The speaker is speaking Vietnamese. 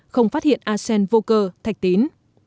không phát hiện arsen vô cơ thạch tín